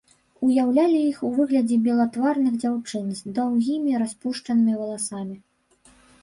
Уяўлялі іх у выглядзе белатварых дзяўчын з даўгімі распушчанымі валасамі.